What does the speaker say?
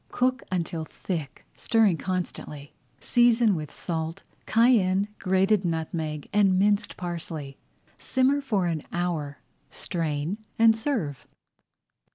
Cook until thick, stirring constantly. Season with salt, cayenne, grated nutmeg, and minced parsley. Simmer for an hour, strain, and serve.